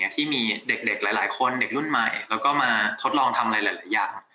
ที่มีเด็กหลายคนเด็กรุ่นใหม่แล้วก็มาทดลองทำอะไรหลายอย่าง